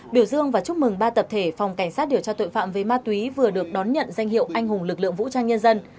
biểu dương và chúc mừng ba tập thể phòng cảnh sát điều tra tội phạm về ma túy vừa được đón nhận danh hiệu anh hùng lực lượng vũ trang nhân dân